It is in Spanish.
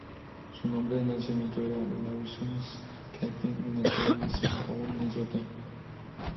Su nombre de nacimiento era Lawrence Keating, y nació en Saint Paul, Minnesota.